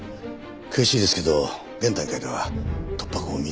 悔しいですけど現段階では突破口を見いだせませんね。